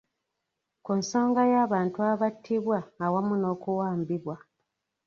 Ku nsonga y’abantu abattibwa awamu n’okuwambibwa.